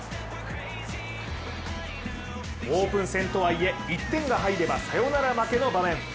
オープン戦とはいえ、１点が入れば、サヨナラ負けの場面。